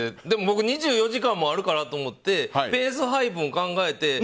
でも僕、２４時間もあるかなと思ってペース配分を考えて。